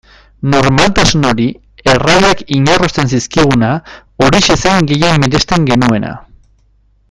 Normaltasun hori, erraiak inarrosten zizkiguna, horixe zen gehien miresten genuena.